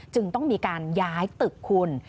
จึงต้องมีการย้ายตึกคุณ